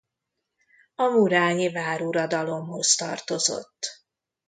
A murányi váruradalomhoz tartozott.